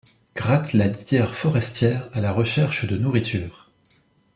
Gratte la litière forestière à la recherche de nourriture.